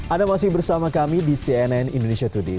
anda masih bersama kami di cnn indonesia today